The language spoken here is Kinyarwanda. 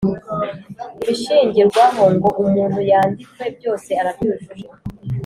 Ibishingirwaho ngo umuntu yandikwe byose arabyujuje